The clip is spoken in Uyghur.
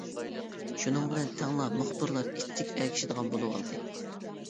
شۇنىڭ بىلەن تەڭلا مۇخبىرلار ئىتتەك ئەگىشىدىغان بولۇۋالدى.